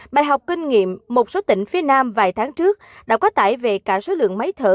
bài học kinh nghiệm một số tỉnh phía nam vài tháng trước đã quá tải về cả số lượng máy thở